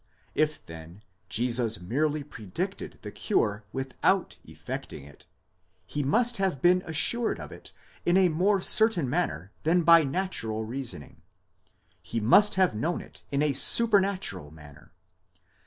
If then Jesus merely predicted the cure without effecting it, he must have been assured of it in a more certain manner than by natural reasoning,—he must have known it in a supernatural manner.